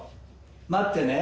待ってね。